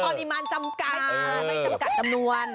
พอริมานจำกาไม่จำกัดกำนวณ